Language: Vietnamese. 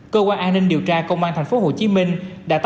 cơ quan an ninh điều tra công an tp hcm đã tách nhóm